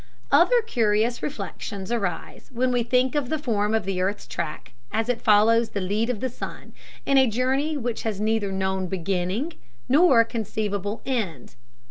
Other curious reflections arise when we think of the form of the earth's track as it follows the lead of the sun, in a journey which has neither known beginning nor conceivable end.